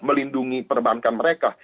melindungi perbankan mereka